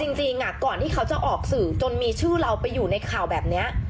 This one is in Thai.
จริงก่อนที่เขาจะออกสื่อจนมีชื่อเราไปอยู่ในข่าวแบบนี้